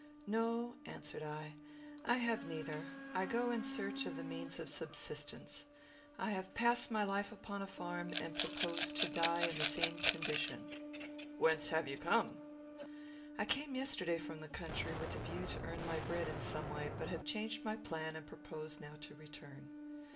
"No," answered I, "I have neither. I go in search of the means of subsistence. I have passed my life upon a farm, and propose to die in the same condition." "Whence have you come?" "I came yesterday from the country, with a view to earn my bread in some way, but have changed my plan and propose now to return."